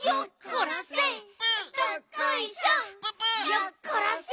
よっこらせ！